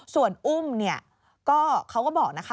ส่วนอุ้มเนี่ยก็เขาก็บอกนะคะ